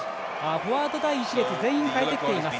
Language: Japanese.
フォワード、第１列全員、代えてきています。